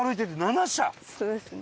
そうですね。